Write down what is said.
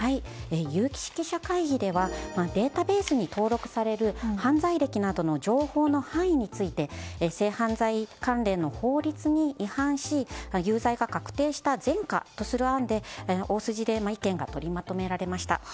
有識者会議ではデータベースに登録される犯罪歴などの情報の範囲について性犯罪関連の法律に違反し有罪が確定した前科とする案で大筋で意見が取りまとめられました。